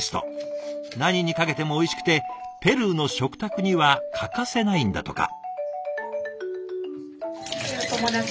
何にかけてもおいしくてペルーの食卓には欠かせないんだとか。